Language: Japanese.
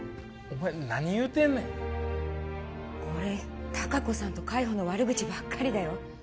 お前何言うてんねんこれ隆子さんと海保の悪口ばっかりだよ